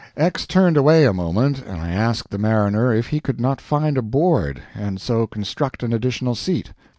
X turned away a moment, and I asked the mariner if he could not find a board, and so construct an additional seat.